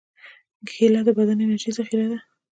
کېله د بدن د انرژۍ ذخیره ده.